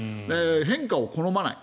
変化を好まない。